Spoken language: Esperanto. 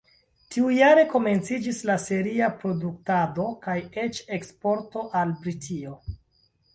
Tiujare komenciĝis la seria produktado kaj eĉ eksporto al Britio.